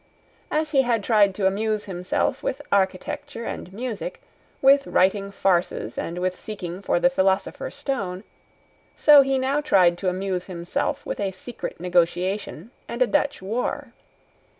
As he had tried to amuse himself with architecture and music, with writing farces and with seeking for the philosopher's stone, so he now tried to amuse himself with a secret negotiation and a Dutch war.